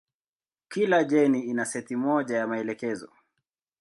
Kila jeni ina seti moja ya maelekezo.